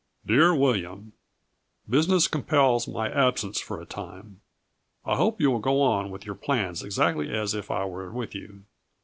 Dear William: Business compels my absence for a time. I hope you will go on with your plans exactly as if I were with you.